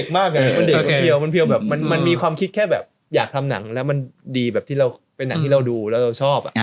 มันเด็กคนเดียวมันเพียวแบบมันมีความคิดแค่แบบอยากทำหนังแล้วมันดีแบบที่เราเป็นหนังที่เราดูแล้วเราชอบ